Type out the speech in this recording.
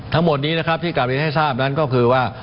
ทั้งหมดนี้นะครับที่กลับเรียนให้ทราบนั้นก็คือว่า